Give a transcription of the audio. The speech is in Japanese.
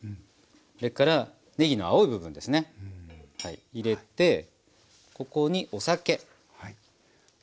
それからねぎの青い部分ですね入れてここにお酒。